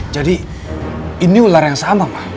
jadi ini ular yang sama